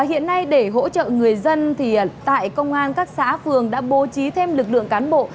hiện nay để hỗ trợ người dân tại công an các xã phường đã bố trí thêm lực lượng cán bộ